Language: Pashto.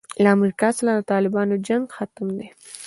له امریکا سره د طالبانو جنګ ختم دی.